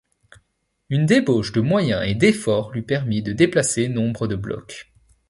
Une débauche de moyens et d'efforts lui permit de déplacer nombre de blocs.